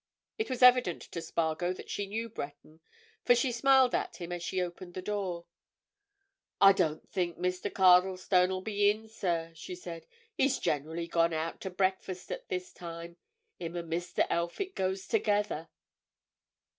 It was evident to Spargo that she knew Breton, for she smiled at him as she opened the door. "I don't think Mr. Cardlestone'll be in, sir," she said. "He's generally gone out to breakfast at this time—him and Mr. Elphick goes together."